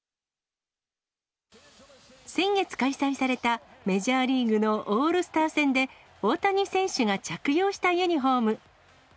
先月開催されたメジャーリーグのオールスター戦で、大谷選手が着用したユニホーム。